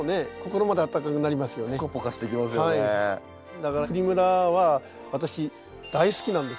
だからプリムラは私大好きなんです！